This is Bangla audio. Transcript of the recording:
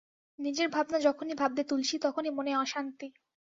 নিজের ভাবনা যখনই ভাববে তুলসী, তখনি মনে অশান্তি।